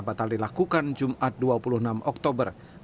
batal dilakukan jumat dua puluh enam oktober